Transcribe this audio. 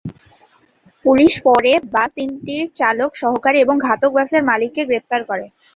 Police পরে bus তিনটির চালক, সহকারী এবং ঘাতক-বাসের মালিককে গ্রেপ্তার করে।